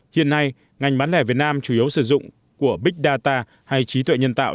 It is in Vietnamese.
hiện nay ngành bán lẻ việt nam chủ yếu sử dụng của big data hay trí tuệ nhân tạo